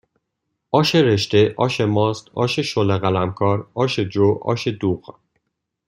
آش رشته آش ماست آش شله قلمکار آش جو آش دوغ